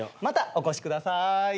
またお越しください。